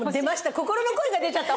心の声が出ちゃった。